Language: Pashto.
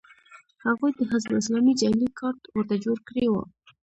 هغوی د حزب اسلامي جعلي کارت ورته جوړ کړی و